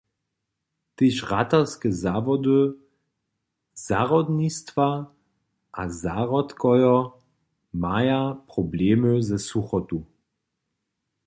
Tež ratarske zawody, zahrodnistwa a zahrodkarjo maja problemy ze suchotu.